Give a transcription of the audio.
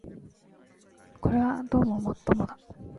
これはどうも尤もだ